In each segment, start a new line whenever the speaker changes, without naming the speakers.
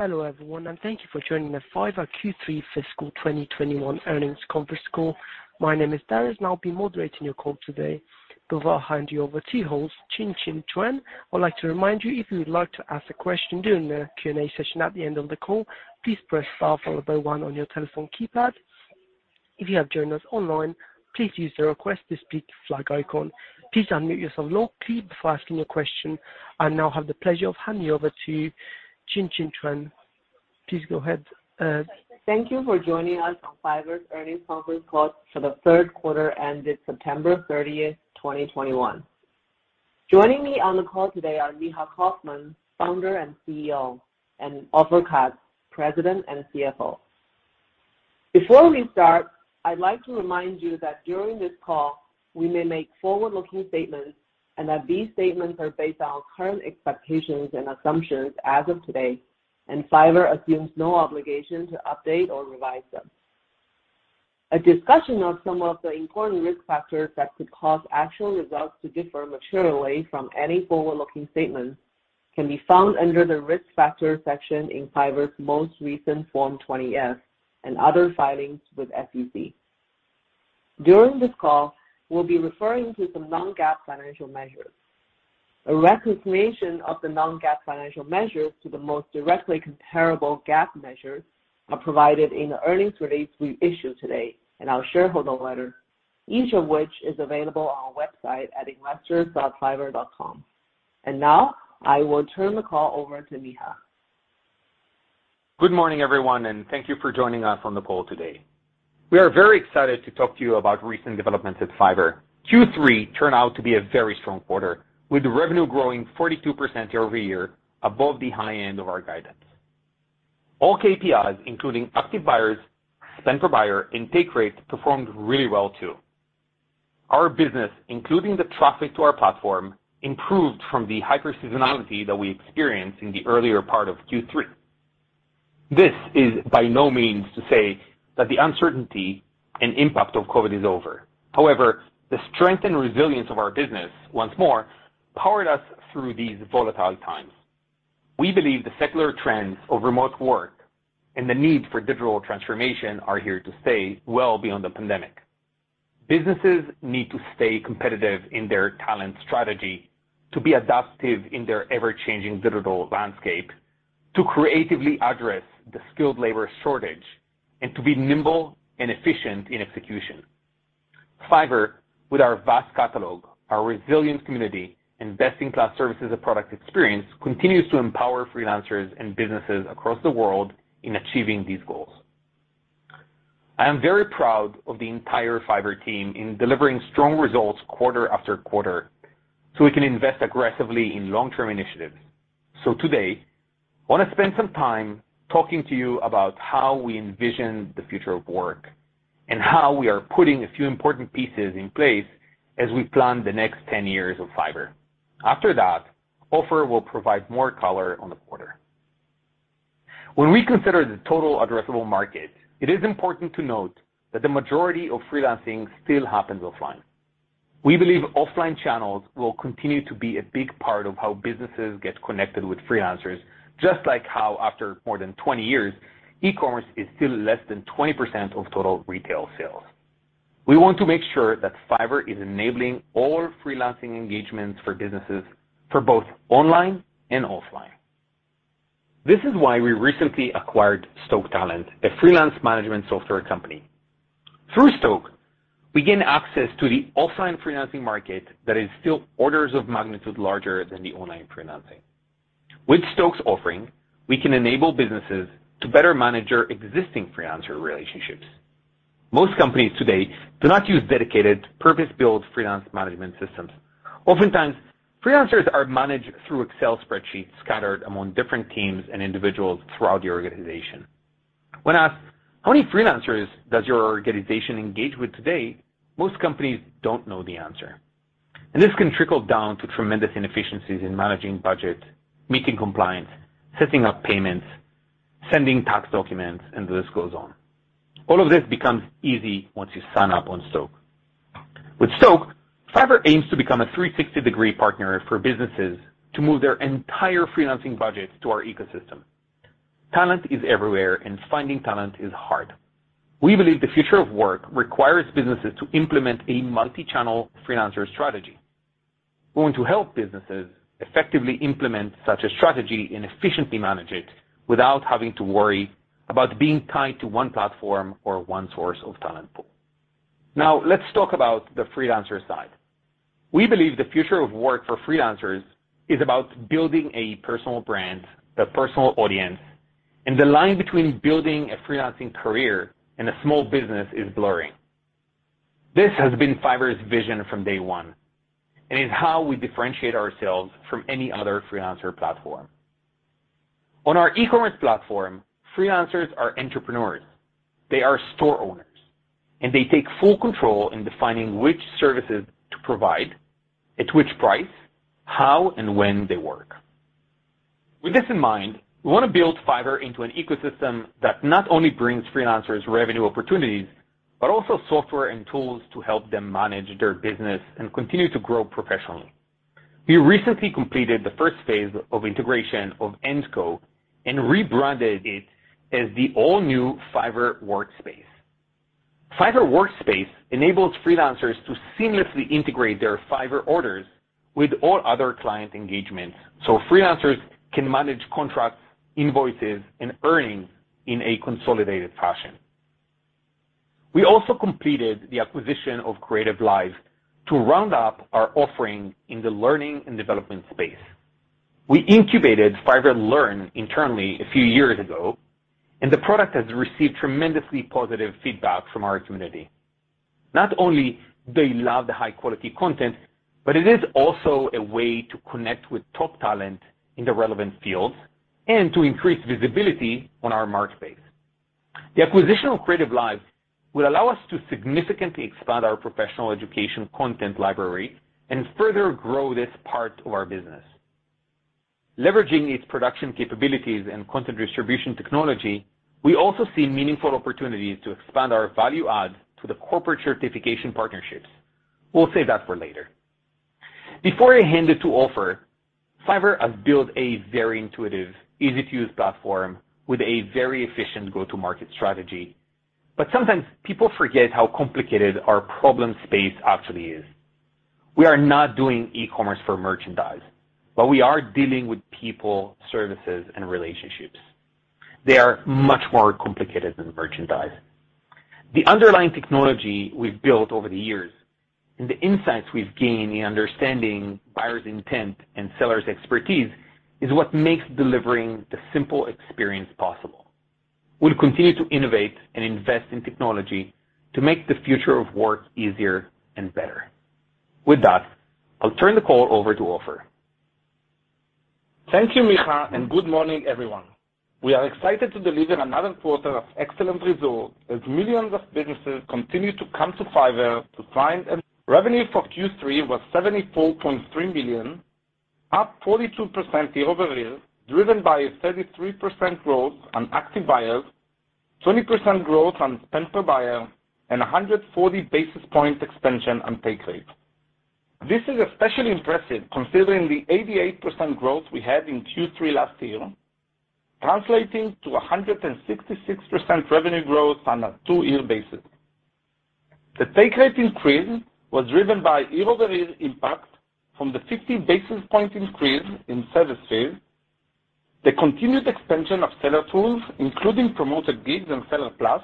Hello everyone, and thank you for joining the Fiverr Q3 fiscal 2021 earnings conference call. My name is Doris, and I'll be moderating your call today. Before I hand you over to Fiverr's Jinjin Qian, I would like to remind you if you would like to ask a question during the Q&A session at the end of the call, please press star followed by 1 on your telephone keypad. If you have joined us online, please use the request to speak flag icon. Please unmute yourself and look please before asking a question. I now have the pleasure of handing you over to Jinjin Qian. Please go ahead.
Thank you for joining us on Fiverr's earnings conference call for the third quarter ended September 30, 2021. Joining me on the call today are Micha Kaufman, Founder and CEO, and Ofer Katz, President and CFO. Before we start, I'd like to remind you that during this call, we may make forward-looking statements, and that these statements are based on current expectations and assumptions as of today, and Fiverr assumes no obligation to update or revise them. A discussion of some of the important risk factors that could cause actual results to differ materially from any forward-looking statements can be found under the Risk Factors section in Fiverr's most recent Form 20-F and other filings with the SEC. During this call, we'll be referring to some non-GAAP financial measures. A reconciliation of the non-GAAP financial measures to the most directly comparable GAAP measures are provided in the earnings release we issued today and our shareholder letter, each of which is available on our website at investors.fiverr.com. Now I will turn the call over to Micha.
Good morning, everyone, and thank you for joining us on the call today. We are very excited to talk to you about recent developments at Fiverr. Q3 turned out to be a very strong quarter, with revenue growing 42% year-over-year above the high end of our guidance. All KPIs, including active buyers, spend per buyer, and take rate, performed really well too. Our business, including the traffic to our platform, improved from the hyper seasonality that we experienced in the earlier part of Q3. This is by no means to say that the uncertainty and impact of COVID is over. However, the strength and resilience of our business once more powered us through these volatile times. We believe the secular trends of remote work and the need for digital transformation are here to stay well beyond the pandemic. Businesses need to stay competitive in their talent strategy to be adaptive in their ever-changing digital landscape, to creatively address the skilled labor shortage, and to be nimble and efficient in execution. Fiverr, with our vast catalog, our resilient community, and best-in-class services and product experience, continues to empower freelancers and businesses across the world in achieving these goals. I am very proud of the entire Fiverr team in delivering strong results quarter after quarter, so we can invest aggressively in long-term initiatives. Today, I want to spend some time talking to you about how we envision the future of work and how we are putting a few important pieces in place as we plan the next 10 years of Fiverr. After that, Ofer will provide more color on the quarter. When we consider the total addressable market, it is important to note that the majority of freelancing still happens offline. We believe offline channels will continue to be a big part of how businesses get connected with freelancers, just like how after more than 20 years, e-commerce is still less than 20% of total retail sales. We want to make sure that Fiverr is enabling all freelancing engagements for businesses for both online and offline. This is why we recently acquired Stoke Talent, a freelance management software company. Through Stoke, we gain access to the offline freelancing market that is still orders of magnitude larger than the online freelancing. With Stoke's offering, we can enable businesses to better manage their existing freelancer relationships. Most companies today do not use dedicated, purpose-built freelance management systems. Oftentimes, freelancers are managed through Excel spreadsheets scattered among different teams and individuals throughout the organization. When asked, "How many freelancers does your organization engage with today?" Most companies don't know the answer. This can trickle down to tremendous inefficiencies in managing budget, meeting compliance, setting up payments, sending tax documents, and the list goes on. All of this becomes easy once you sign up on Stoke Talent. With Stoke Talent, Fiverr aims to become a 360-degree partner for businesses to move their entire freelancing budget to our ecosystem. Talent is everywhere, and finding talent is hard. We believe the future of work requires businesses to implement a multi-channel freelancer strategy. We want to help businesses effectively implement such a strategy and efficiently manage it without having to worry about being tied to one platform or one source of talent pool. Now, let's talk about the freelancer side. We believe the future of work for freelancers is about building a personal brand, a personal audience, and the line between building a freelancing career and a small business is blurring. This has been Fiverr's vision from day one and is how we differentiate ourselves from any other freelancer platform. On our e-commerce platform, freelancers are entrepreneurs, they are store owners, and they take full control in defining which services to provide, at which price, how and when they work. With this in mind, we want to build Fiverr into an ecosystem that not only brings freelancers revenue opportunities but also software and tools to help them manage their business and continue to grow professionally. We recently completed the first phase of integration of AND.CO and rebranded it as the all-new Fiverr Workspace. Fiverr Workspace enables freelancers to seamlessly integrate their Fiverr orders with all other client engagements, so freelancers can manage contracts, invoices, and earnings in a consolidated fashion. We also completed the acquisition of CreativeLive to round out our offering in the learning and development space. We incubated Fiverr Learn internally a few years ago, and the product has received tremendously positive feedback from our community. Not only they love the high quality content, but it is also a way to connect with top talent in the relevant fields and to increase visibility on our marketplace. The acquisition of CreativeLive will allow us to significantly expand our professional education content library and further grow this part of our business. Leveraging its production capabilities and content distribution technology, we also see meaningful opportunities to expand our value add to the corporate certification partnerships. We'll save that for later. Before I hand it to Ofer, Fiverr has built a very intuitive, easy-to-use platform with a very efficient go-to-market strategy. Sometimes people forget how complicated our problem space actually is. We are not doing e-commerce for merchandise, but we are dealing with people, services, and relationships. They are much more complicated than merchandise. The underlying technology we've built over the years and the insights we've gained in understanding buyers' intent and sellers' expertise is what makes delivering the simple experience possible. We'll continue to innovate and invest in technology to make the future of work easier and better. With that, I'll turn the call over to Ofer.
Thank you, Micha, and good morning, everyone. We are excited to deliver another quarter of excellent results as millions of businesses continue to come to Fiverr. Revenue for Q3 was $74.3 million, up 42% year-over-year, driven by a 33% growth on active buyers, 20% growth on spend per buyer, and a 140 basis points expansion on take rate. This is especially impressive considering the 88% growth we had in Q3 last year, translating to a 166% revenue growth on a two-year basis. The take rate increase was driven by year-over-year impact from the 50 basis point increase in service fees, the continued expansion of seller tools, including Promoted Gigs and Seller Plus,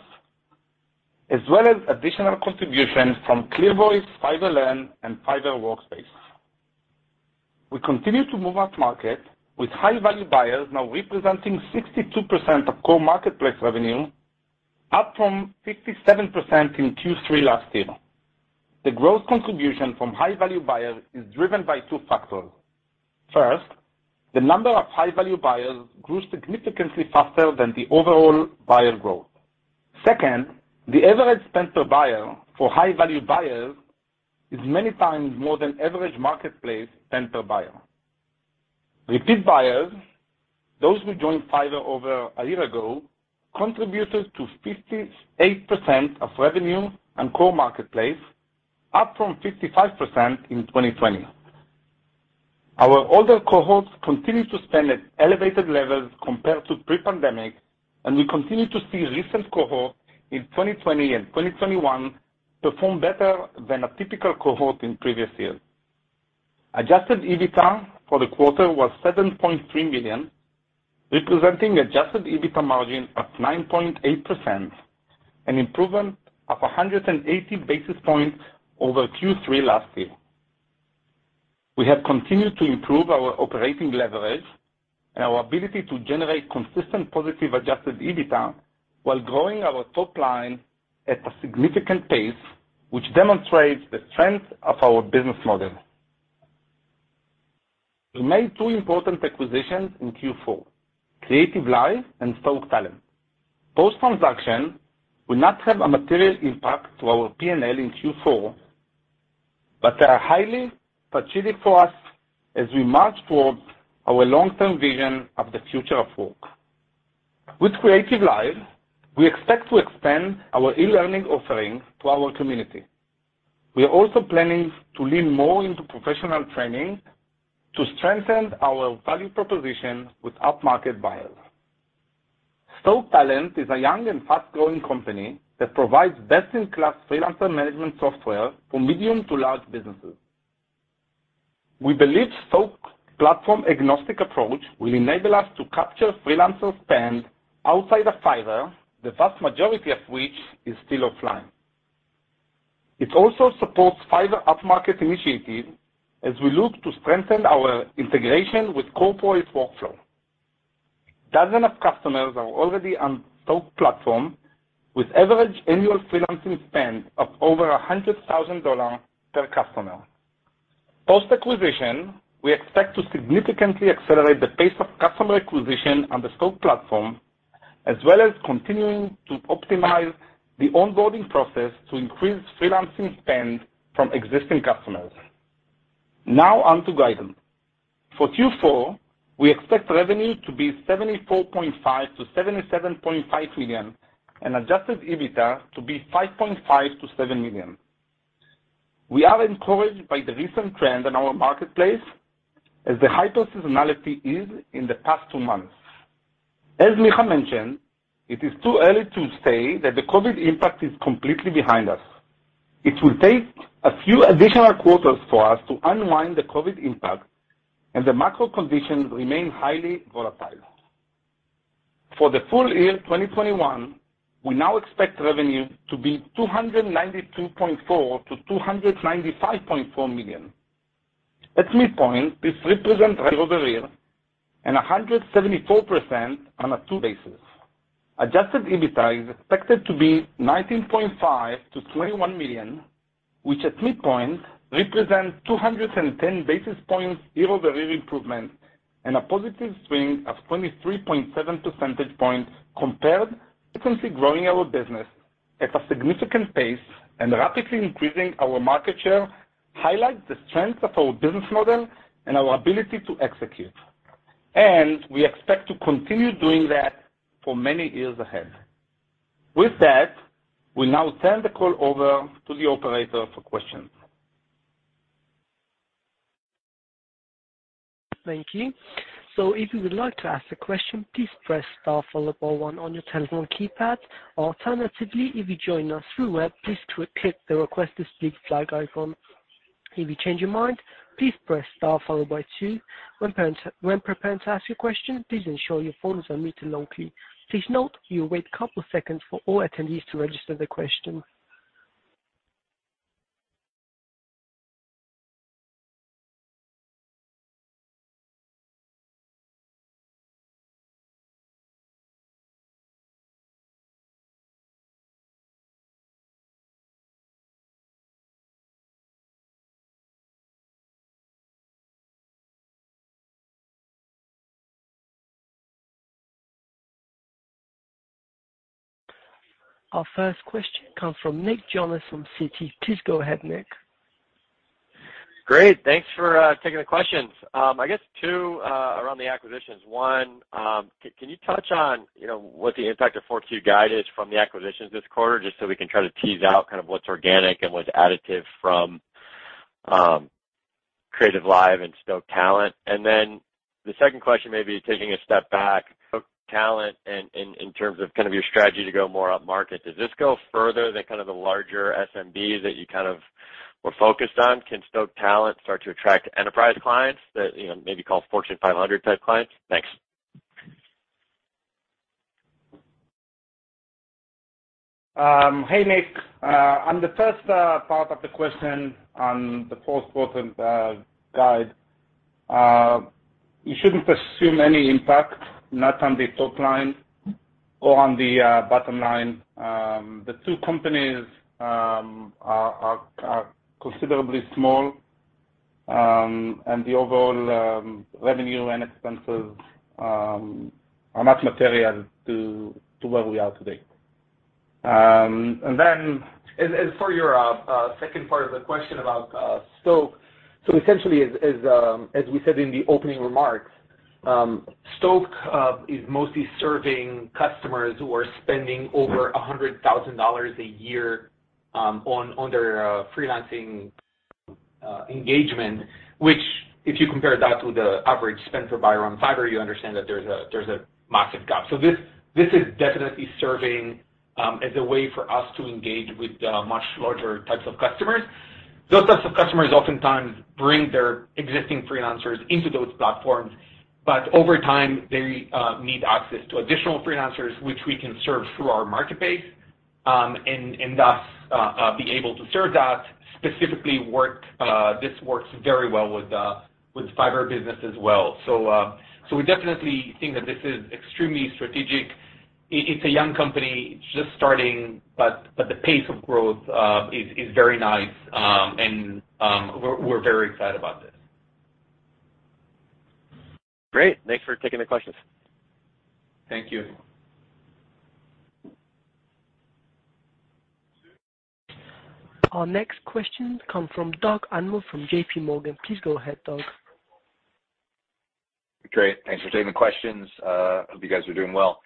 as well as additional contributions from ClearVoice, Fiverr Learn, and Fiverr Workspace. We continue to move upmarket, with high-value buyers now representing 62% of core marketplace revenue, up from 57% in Q3 last year. The growth contribution from high-value buyers is driven by two factors. First, the number of high-value buyers grew significantly faster than the overall buyer growth. Second, the average spend per buyer for high-value buyers is many times more than average marketplace spend per buyer. Repeat buyers, those who joined Fiverr over a year ago, contributed to 58% of revenue and core marketplace, up from 55% in 2020. Our older cohorts continue to spend at elevated levels compared to pre-pandemic, and we continue to see recent cohorts in 2020 and 2021 perform better than a typical cohort in previous years. Adjusted EBITDA for the quarter was $7.3 million, representing adjusted EBITDA margin of 9.8%, an improvement of 180 basis points over Q3 last year. We have continued to improve our operating leverage and our ability to generate consistent positive adjusted EBITDA while growing our top line at a significant pace, which demonstrates the strength of our business model. We made two important acquisitions in Q4, CreativeLive and Stoke Talent. Post-transaction, they will not have a material impact to our P&L in Q4, but they are highly strategic for us as we march towards our long-term vision of the future of work. With CreativeLive, we expect to expand our e-learning offerings to our community. We are also planning to lean more into professional training to strengthen our value proposition with upmarket buyers. Stoke Talent is a young and fast-growing company that provides best-in-class freelancer management software for medium to large businesses. We believe Stoke's platform-agnostic approach will enable us to capture freelancer spend outside of Fiverr, the vast majority of which is still offline. It also supports Fiverr upmarket initiatives as we look to strengthen our integration with corporate workflow. Dozens of customers are already on Stoke platform with average annual freelancing spend of over $100,000 per customer. Post-acquisition, we expect to significantly accelerate the pace of customer acquisition on the Stoke platform, as well as continuing to optimize the onboarding process to increase freelancing spend from existing customers. Now on to guidance. For Q4, we expect revenue to be $74.5 million-$77.5 million and Adjusted EBITDA to be $5.5 million-$7 million. We are encouraged by the recent trend in our marketplace as the hyper seasonality is in the past 2 months. Micha mentioned, it is too early to say that the COVID impact is completely behind us. It will take a few additional quarters for us to unwind the COVID impact, and the macro conditions remain highly volatile. For the full year 2021, we now expect revenue to be $292.4 million-$295.4 million. At midpoint, this represent revenue year-over-year and 174% on a two-year basis. Adjusted EBITDA is expected to be $19.5 million-$21 million, which at midpoint represents 210 basis points year-over-year improvement and a positive swing of 23.7 percentage points. Constantly growing our business at a significant pace and rapidly increasing our market share highlights the strength of our business model and our ability to execute. We expect to continue doing that for many years ahead. With that, we now turn the call over to the operator for questions.
Thank you. If you would like to ask a question, please press star followed by one on your telephone keypad. Alternatively, if you joined us through web, please click the Request to Speak flag icon. If you change your mind, please press star followed by two. When preparing to ask your question, please ensure your phone is unmuted locally. Please note you'll wait a couple seconds for all attendees to register the question. Our first question comes from Nick Jonas from Citi. Please go ahead, Nick.
Great. Thanks for taking the questions. I guess two around the acquisitions. One, can you touch on, you know, what the impact of Q4 guide is from the acquisitions this quarter, just so we can try to tease out kind of what's organic and what's additive from CreativeLive and Stoke Talent? Then the second question maybe taking a step back. Stoke Talent in terms of kind of your strategy to go more upmarket. Does this go further than kind of the larger SMB that you kind of were focused on? Can Stoke Talent start to attract enterprise clients that, you know, maybe like Fortune 500 type clients? Thanks.
Hey, Nick. On the first part of the question on the fourth quarter guide, you shouldn't assume any impact, not on the top line or on the bottom line. The two companies are considerably small, and the overall revenue and expenses are not material to where we are today. As for your second part of the question about Stoke Talent. Essentially, as we said in the opening remarks, Stoke Talent is mostly serving customers who are spending over $100,000 a year on their freelancing engagement, which if you compare that to the average spend per buyer on Fiverr, you understand that there's a massive gap. This is definitely serving as a way for us to engage with much larger types of customers. Those types of customers oftentimes bring their existing freelancers into those platforms, but over time, they need access to additional freelancers, which we can serve through our marketplace, and thus be able to serve that specific work. This works very well with the Fiverr Business as well. We definitely think that this is extremely strategic. It's a young company. It's just starting. The pace of growth is very nice. We're very excited about this.
Great. Thanks for taking the questions.
Thank you.
Our next question comes from Doug Anmuth from J.P. Morgan. Please go ahead, Doug.
Great. Thanks for taking the questions. Hope you guys are doing well.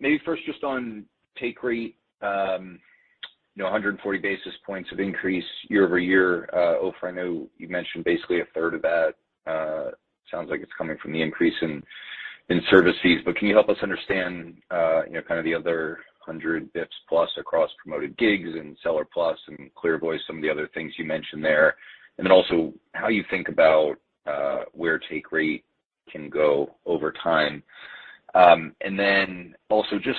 Maybe first just on take rate, you know, 140 basis points of increase year-over-year. Ofer, I know you mentioned basically a third of that, sounds like it's coming from the increase in services. But can you help us understand, you know, kind of the other 100 basis points plus across Promoted Gigs and Seller Plus and ClearVoice, some of the other things you mentioned there? And then also how you think about, where take rate can go over time. And then also just,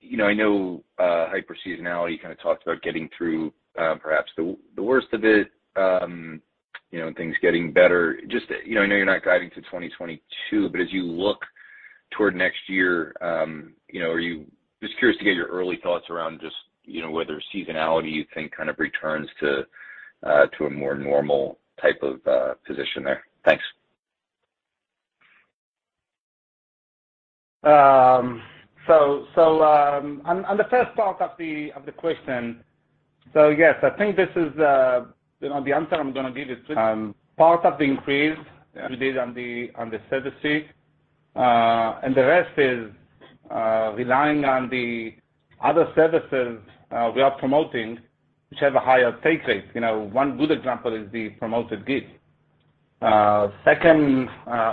you know, I know, hyper seasonality, you kind of talked about getting through, perhaps the worst of it, you know, and things getting better. Just, you know, I know you're not guiding to 2022, but as you look toward next year, you know, just curious to get your early thoughts around just, you know, whether seasonality you think kind of returns to a more normal type of position there? Thanks.
On the first part of the question, yes, I think this is, you know, the answer I'm gonna give is part of the increase we did on the services. The rest is relying on the other services we are promoting, which have a higher take rate. You know, one good example is the Promoted Gig. Second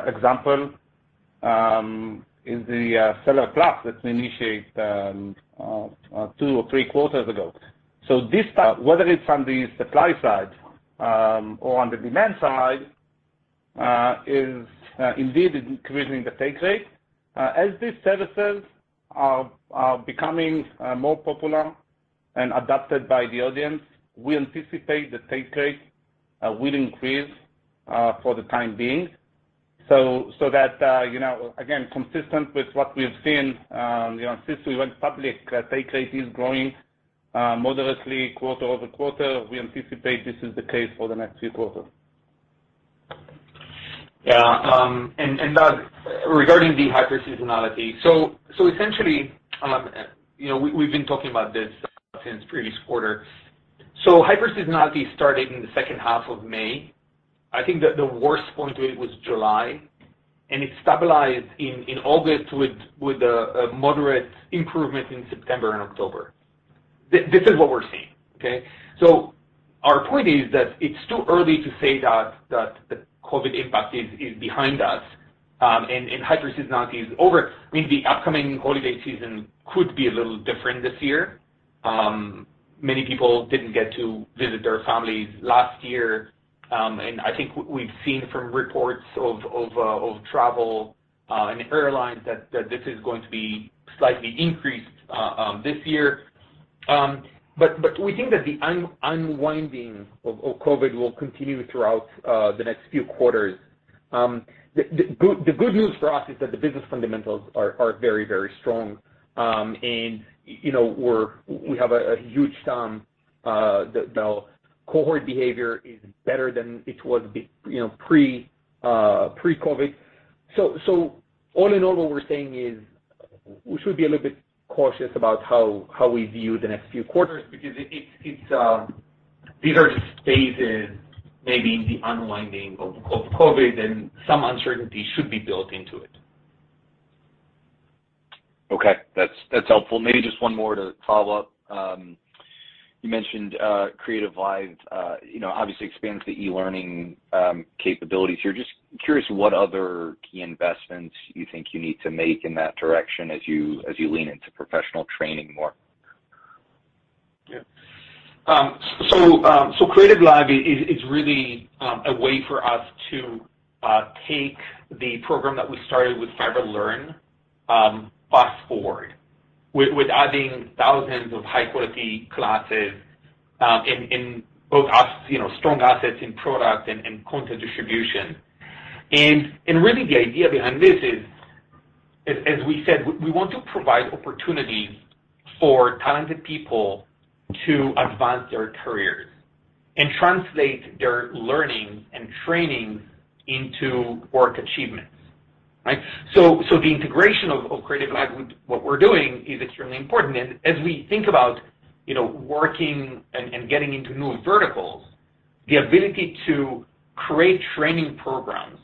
example is the Seller Plus that we initiate two or three quarters ago. This time, whether it's on the supply side or on the demand side, is indeed increasing the take rate. As these services are becoming more popular and adapted by the audience, we anticipate the take rate will increase for the time being. That you know, again, consistent with what we've seen, you know, since we went public, take rate is growing moderately quarter-over-quarter. We anticipate this is the case for the next few quarters and that regarding the hyper seasonality. Essentially, you know, we've been talking about this since previous quarter. Hyper seasonality started in the second half of May. I think that the worst point of it was July, and it stabilized in August with a moderate improvement in September and October. This is what we're seeing, okay? Our point is that it's too early to say that the COVID impact is behind us, and hyper seasonality is over. I mean, the upcoming holiday season could be a little different this year. Many people didn't get to visit their families last year. I think we've seen from reports of travel and airlines that this is going to be slightly increased this year. We think that the unwinding of COVID will continue throughout the next few quarters. The good news for us is that the business fundamentals are very strong. You know, we have a huge TAM. The cohort behavior is better than it was, you know, pre-COVID. All in all, what we're saying is we should be a little bit cautious about how we view the next few quarters because it's these are the stages, maybe in the unwinding of COVID, and some uncertainty should be built into it.
Okay. That's helpful. Maybe just one more to follow up. You mentioned CreativeLive, you know, obviously expands the e-learning capabilities. I'm just curious what other key investments you think you need to make in that direction as you lean into professional training more?
CreativeLive is really a way for us to take the program that we started with Fiverr Learn, fast-forward with adding thousands of high quality classes in both, you know, strong assets in product and content distribution. Really the idea behind this is, as we said, we want to provide opportunities for talented people to advance their careers and translate their learning and training into work achievements, right? The integration of CreativeLive with what we're doing is extremely important. As we think about, you know, working and getting into new verticals, the ability to create training programs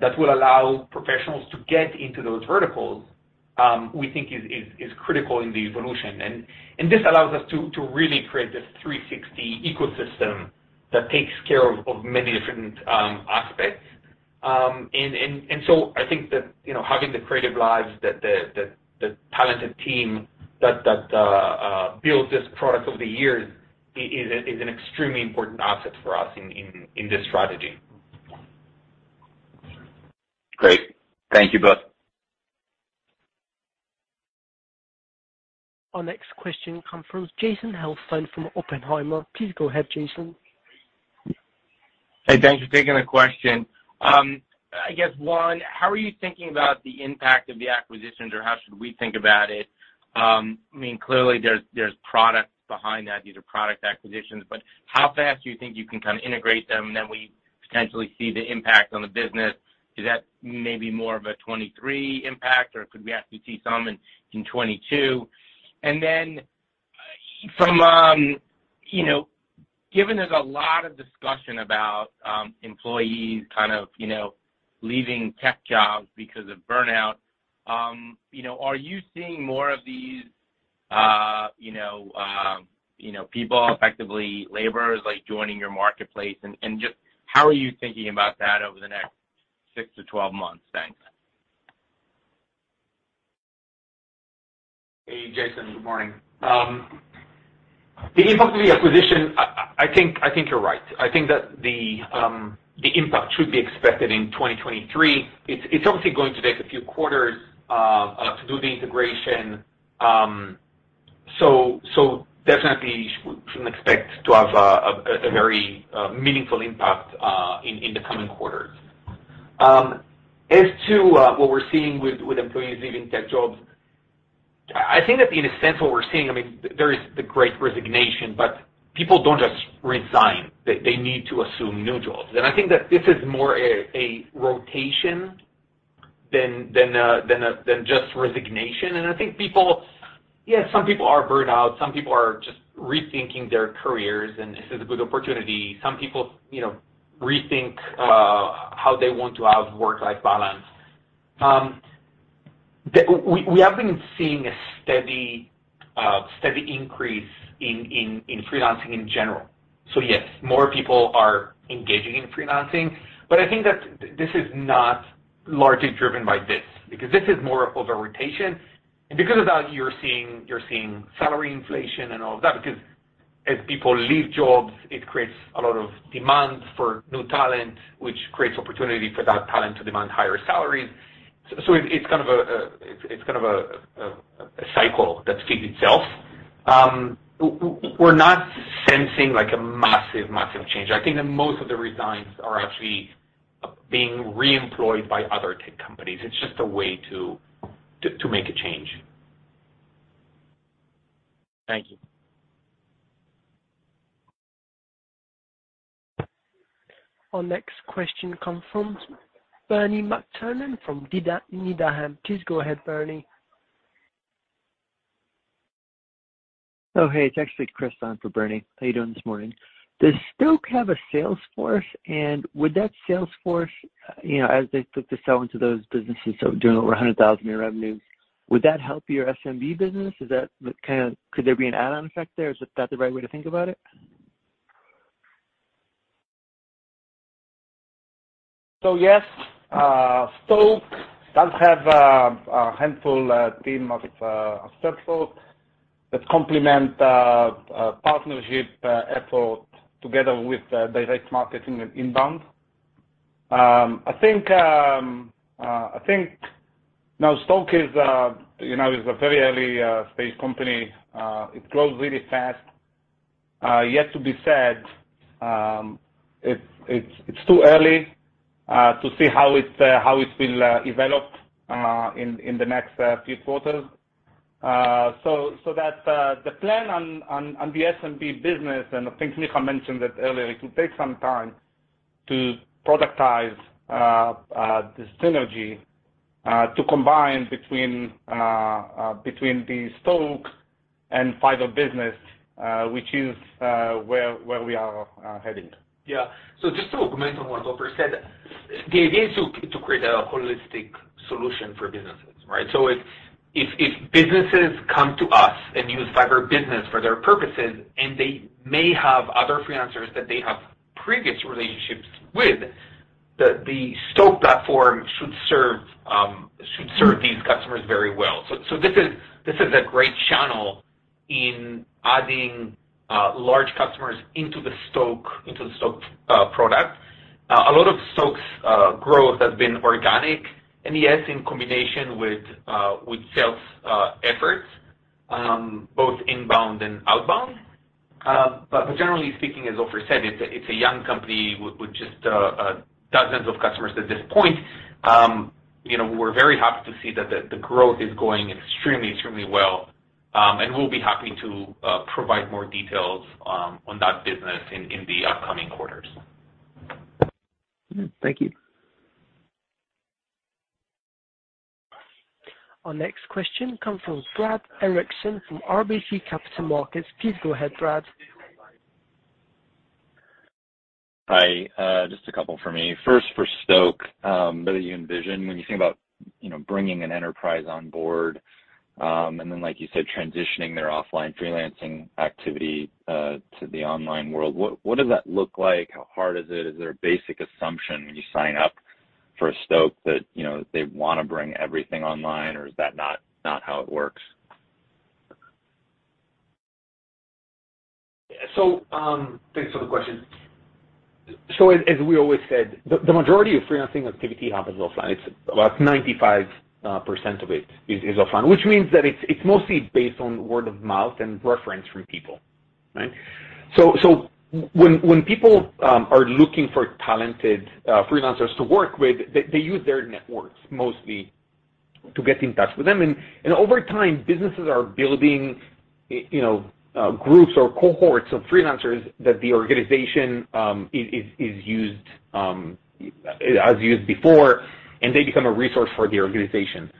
that will allow professionals to get into those verticals, we think is critical in the evolution. This allows us to really create this 360 ecosystem that takes care of many different aspects. I think that, you know, having the CreativeLive, the talented team that built this product over the years is an extremely important asset for us in this strategy.
Great. Thank you both.
Our next question comes from Jason Helfstein from Oppenheimer. Please go ahead, Jason.
Hey, thanks for taking the question. I guess, one, how are you thinking about the impact of the acquisitions or how should we think about it? I mean, clearly there's products behind that. These are product acquisitions, but how fast do you think you can kind of integrate them, and then we potentially see the impact on the business? Is that maybe more of a 2023 impact, or could we actually see some in 2022? You know, given there's a lot of discussion about employees kind of you know leaving tech jobs because of burnout, you know, are you seeing more of these people effectively laborers like joining your marketplace? Just how are you thinking about that over the next six to 12 months? Thanks.
Hey, Jason. Good morning. The impact of the acquisition, I think you're right. I think that the impact should be expected in 2023. It's obviously going to take a few quarters to do the integration. Definitely we shouldn't expect to have a very meaningful impact in the coming quarters. As to what we're seeing with employees leaving tech jobs. I think that in a sense what we're seeing, I mean, there is the great resignation, but people don't just resign. They need to assume new jobs. I think that this is more a rotation than just resignation. I think people, yeah, some people are burned out, some people are just rethinking their careers, and this is a good opportunity. Some people, you know, rethink how they want to have work-life balance. We have been seeing a steady increase in freelancing in general. Yes, more people are engaging in freelancing. I think that this is not largely driven by this because this is more of a rotation. Because of that, you're seeing salary inflation and all of that because as people leave jobs, it creates a lot of demand for new talent, which creates opportunity for that talent to demand higher salaries. It's kind of a cycle that feeds itself. We're not sensing like a massive change. I think that most of the resignations are actually being reemployed by other tech companies. It's just a way to make a change.
Thank you.
Our next question comes from Bernie McTernan from Needham. Please go ahead, Bernie.
Oh, hey, it's actually Chris on for Bernie. How you doing this morning? Does Stoke have a sales force? Would that sales force, you know, as they look to sell into those businesses so doing over $100,000 in revenue, would that help your SMB business? Is that? Could there be an add-on effect there? Is that the right way to think about it?
Yes, Stoke does have a handful team of sales force that complement a partnership effort together with direct marketing and inbound. I think Stoke is, you know, a very early stage company. It grows really fast. Yet to be seen, it's too early to see how it will develop in the next few quarters. That the plan on the SMB business, and I think Micha mentioned it earlier, it will take some time to productize the synergy to combine between the Stoke and Fiverr Business, which is where we are heading.
Yeah. Just to comment on what Ofer said, the idea is to create a holistic solution for businesses, right? If businesses come to us and use Fiverr Business for their purposes, and they may have other freelancers that they have previous relationships with, the Stoke platform should serve these customers very well. This is a great channel in adding large customers into the Stoke product. A lot of Stoke's growth has been organic, and yes, in combination with sales efforts both inbound and outbound. Generally speaking, as Ofer said, it's a young company with just dozens of customers at this point. You know, we're very happy to see that the growth is going extremely well, and we'll be happy to provide more details on that business in the upcoming quarters.
Thank you.
Our next question comes from Brad Erickson from RBC Capital Markets. Please go ahead, Brad.
Hi. Just a couple for me. First for Stoke, that you envision when you think about, you know, bringing an enterprise on board, and then, like you said, transitioning their offline freelancing activity to the online world. What does that look like? How hard is it? Is there a basic assumption when you sign up for Stoke that, you know, they wanna bring everything online, or is that not how it works?
Thanks for the question. As we always said, the majority of freelancing activity happens offline. It's about 95% of it is offline. Which means that it's mostly based on word of mouth and reference from people, right? When people are looking for talented freelancers to work with, they use their networks mostly to get in touch with them. Over time, businesses are building groups or cohorts of freelancers that the organization has used before, and they become a resource for the organization.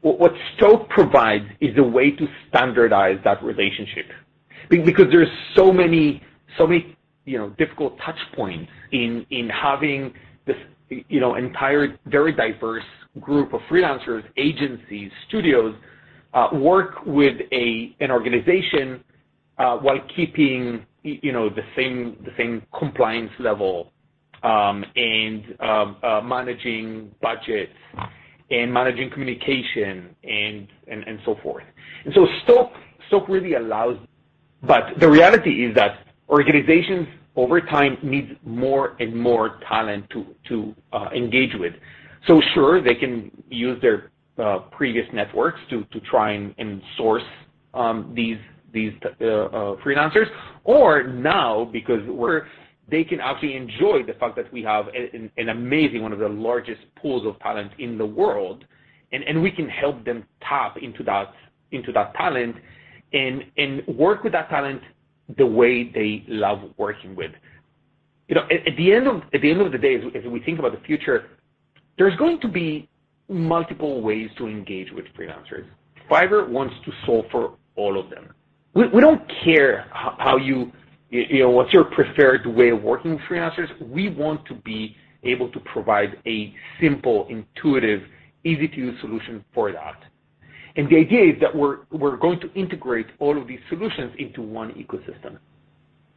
What Stoke provides is a way to standardize that relationship. Because there's so many, you know, difficult touch points in having this, you know, entire very diverse group of freelancers, agencies, studios, work with an organization, while keeping, you know, the same compliance level, and managing budgets and managing communication and so forth. Stoke really allows. The reality is that organizations over time need more and more talent to engage with. Sure, they can use their previous networks to try and source these freelancers. Or now, they can actually enjoy the fact that we have an amazing, one of the largest pools of talent in the world, and we can help them tap into that talent and work with that talent the way they love working with. You know, at the end of the day, as we think about the future, there's going to be multiple ways to engage with freelancers. Fiverr wants to solve for all of them. We don't care how you know what's your preferred way of working with freelancers. We want to be able to provide a simple, intuitive, easy-to-use solution for that. The idea is that we're going to integrate all of these solutions into one ecosystem,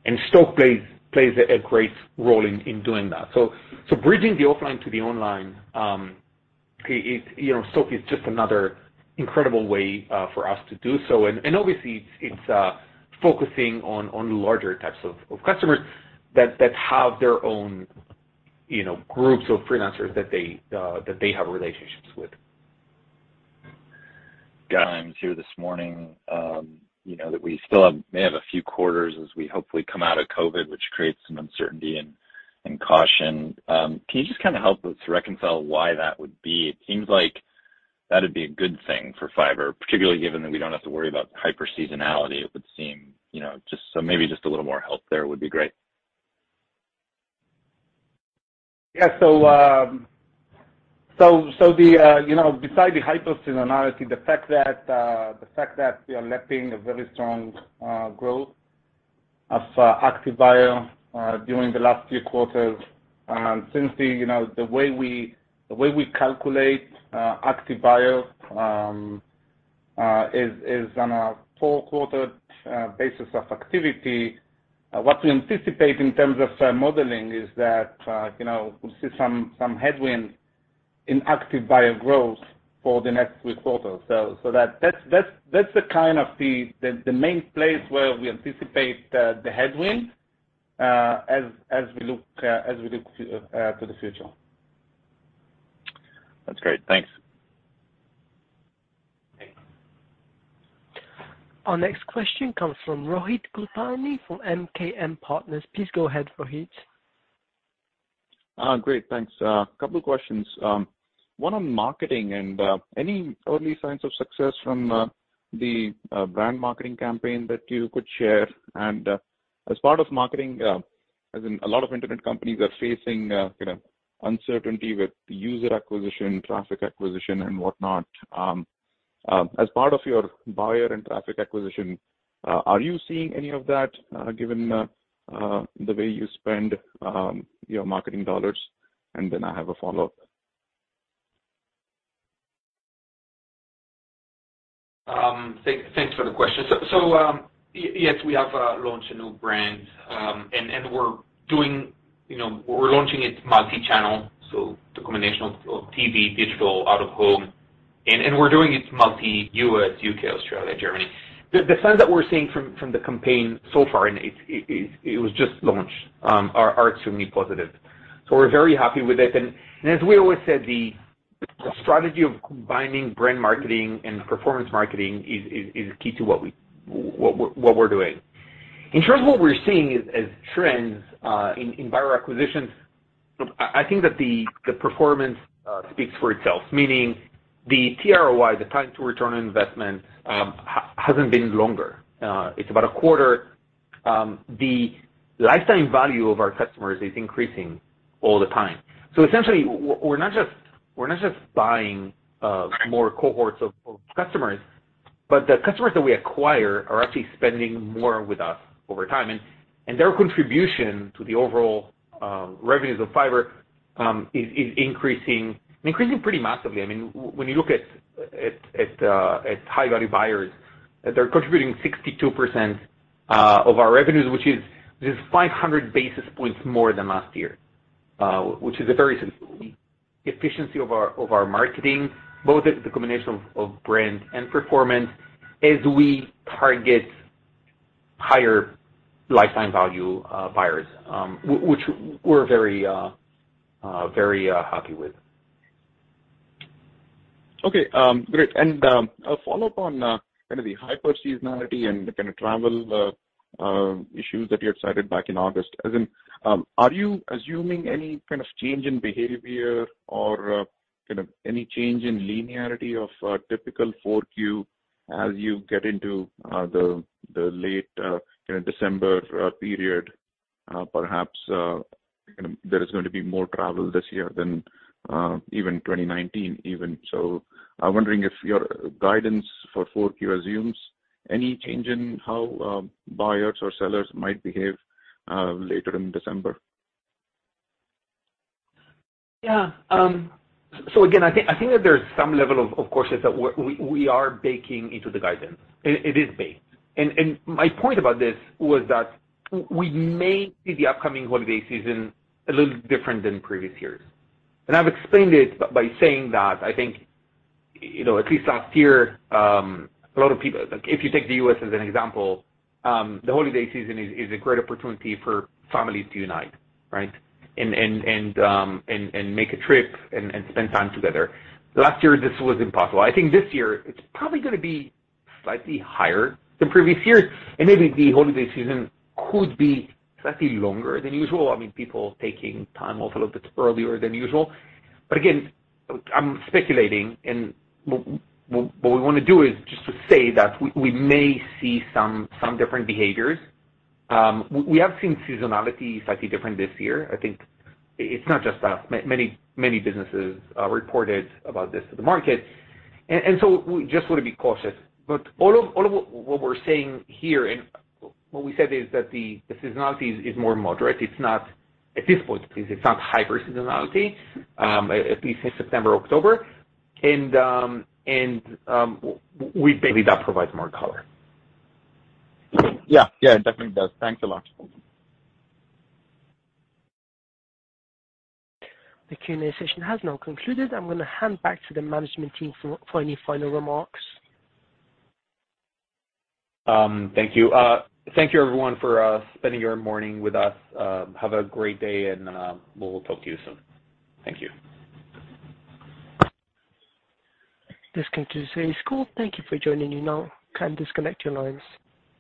and Stoke plays a great role in doing that. Bridging the offline to the online, you know, Stoke is just another incredible way for us to do so. Obviously it's focusing on larger types of customers that have their own, you know, groups of freelancers that they have relationships with.
Times here this morning, you know, that we still may have a few quarters as we hopefully come out of COVID, which creates some uncertainty and caution. Can you just kinda help us reconcile why that would be? It seems like that'd be a good thing for Fiverr, particularly given that we don't have to worry about hyper-seasonality. It would seem, you know, just so maybe just a little more help there would be great.
Yeah. The you know, besides the hyper-seasonality, the fact that we are lapping a very strong growth of active buyer during the last few quarters, since the way we calculate active buyer is on a four-quarter basis of activity. What we anticipate in terms of modeling is that you know, we'll see some headwind in active buyer growth for the next three quarters. That's the kind of the main place where we anticipate the headwind as we look to the future.
That's great. Thanks.
Thanks.
Our next question comes from Rohit Kulkarni from MKM Partners. Please go ahead, Rohit.
Great. Thanks. Couple questions. One on marketing and any early signs of success from the brand marketing campaign that you could share. As part of marketing, as in a lot of internet companies are facing, you know, uncertainty with user acquisition, traffic acquisition and whatnot. As part of your buyer and traffic acquisition, are you seeing any of that, given the way you spend your marketing dollars? Then I have a follow-up.
Thanks for the question. Yes, we have launched a new brand. We're doing, you know, we're launching it multichannel, so the combination of TV, digital, out-of-home, and we're doing it multi-U.S., U.K., Australia, Germany. The signs that we're seeing from the campaign so far, and it was just launched, are extremely positive. We're very happy with it. As we always said, the strategy of combining brand marketing and performance marketing is key to what we're doing. In terms of what we're seeing as trends in buyer acquisitions, I think that the performance speaks for itself, meaning the TROI, the time to return on investment, hasn't been longer. It's about a quarter. The lifetime value of our customers is increasing all the time. Essentially we're not just buying more cohorts of customers, but the customers that we acquire are actually spending more with us over time, and their contribution to the overall revenues of Fiverr is increasing and increasing pretty massively. I mean, when you look at high-value buyers, they're contributing 62% of our revenues, which is 500 basis points more than last year, which is a very significant efficiency of our marketing, both at the combination of brand and performance as we target higher lifetime value buyers, which we're very happy with.
Okay. Great. A follow-up on kind of the hyper seasonality and the kind of travel issues that you had cited back in August. As in, are you assuming any kind of change in behavior or kind of any change in linearity of typical Q4 as you get into the late kind of December period? Perhaps kind of there is going to be more travel this year than even 2019. I'm wondering if your guidance for Q4 assumes any change in how buyers or sellers might behave later in December.
Yeah. So again, I think that there's some level of course is that we are baking into the guidance. It is baked. My point about this was that we may see the upcoming holiday season a little different than previous years. I've explained it by saying that I think, you know, at least last year, a lot of people—like, if you take the U.S. as an example, the holiday season is a great opportunity for families to unite, right? Make a trip and spend time together. Last year this was impossible. I think this year it's probably gonna be slightly higher than previous years, and maybe the holiday season could be slightly longer than usual. I mean, people taking time off a little bit earlier than usual. Again, I'm speculating, and what we wanna do is just to say that we may see some different behaviors. We have seen seasonality slightly different this year. I think it's not just us. Many businesses reported about this to the market. We just want to be cautious. All of what we're saying here and what we said is that the seasonality is more moderate. It's not, at this point, it's not hyper seasonality, at least in September, October. We believe that provides more color.
Yeah. Yeah, it definitely does. Thanks a lot.
The Q&A session has now concluded. I'm gonna hand back to the management team for any final remarks.
Thank you. Thank you, everyone, for spending your morning with us. Have a great day and we'll talk to you soon. Thank you.
This concludes today's call. Thank you for joining. You now can disconnect your lines.